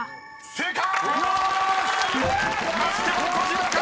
［正解！］